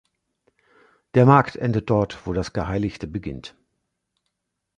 Der Markt endet dort, wo das Geheiligte beginnt!